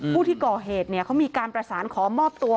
ผู้ที่ก่อเหตุเขามีการประสานขอมอบตัว